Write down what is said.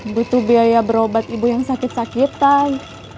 butuh biaya berobat ibu yang sakit sakitan